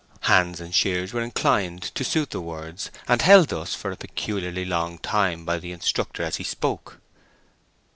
Hands and shears were inclined to suit the words, and held thus for a peculiarly long time by the instructor as he spoke.